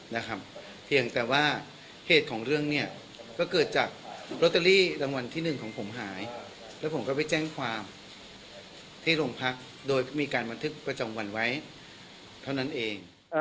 นะครับเพียงแต่ว่าเหตุของเรื่องเนี่ยก็เกิดจากลอตเตอรี่รางวัลที่หนึ่งของผมหายแล้วผมก็ไปแจ้งความที่โรงพักโดยมีการบันทึกประจำวันไว้เท่านั้นเอง